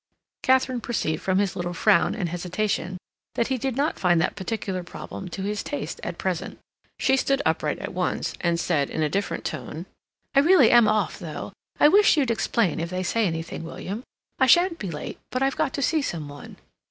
Katharine perceived from his little frown and hesitation that he did not find that particular problem to his taste at present. She stood upright at once and said in a different tone: "I really am off, though. I wish you'd explain if they say anything, William. I shan't be late, but I've got to see some one."